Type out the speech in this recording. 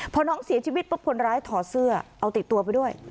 พอน้องเสียชีวิตปุ๊บคนร้ายถอดเสื้อเอาติดตัวไปด้วย